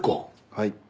はい。